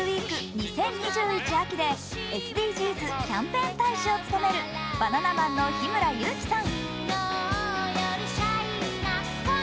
２０２１秋でＳＤＧｓキャンペーン大使を務めるバナナマンの日村勇紀さん。